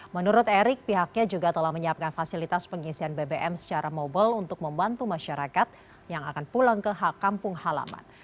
menurut erick pihaknya juga telah menyiapkan fasilitas pengisian bbm secara mobile untuk membantu masyarakat yang akan pulang ke kampung halaman